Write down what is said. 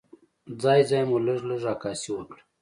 ځای ځای مو لږه عکاسي وکړه.